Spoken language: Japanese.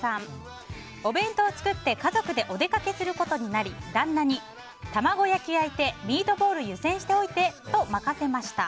お弁当を作って家族でお出かけすることになり旦那に、卵焼き焼いてミートボール湯煎しておいてと任せました。